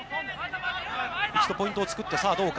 一度、ポイントを作ってどうか。